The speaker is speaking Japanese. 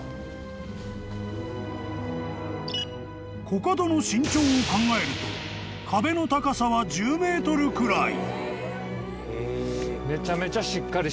［コカドの身長を考えると壁の高さは１０ｍくらい］